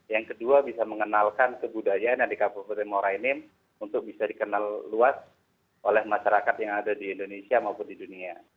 yang kedua bisa mengenalkan kebudayaan yang di kabupaten muara ini untuk bisa dikenal luas oleh masyarakat yang ada di indonesia maupun di dunia